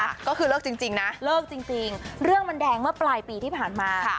ก็คือเลิกจริงนะเลิกจริงเรื่องมันแดงเมื่อปลายปีที่ผ่านมาค่ะ